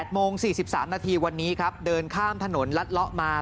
โมง๔๓นาทีวันนี้ครับเดินข้ามถนนลัดเลาะมา